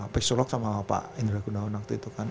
pixolog sama pak indra gunawan waktu itu kan